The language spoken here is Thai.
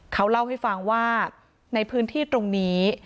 เขาเล่าให้ฟังว่าในพื้นที่ตรงนี้